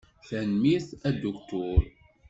Tanemmirt a Aduktur.